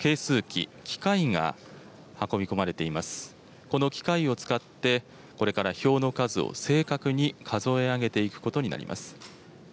この機械を使って、これから票の数を正確に数え上げていくことになります。